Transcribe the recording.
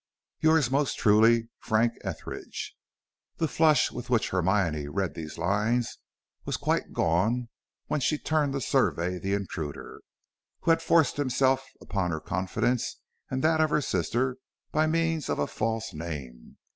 Yours most truly, FRANK ETHERIDGE. The flush with which Hermione read these lines was quite gone when she turned to survey the intruder, who had forced himself upon her confidence and that of her sister by means of a false name.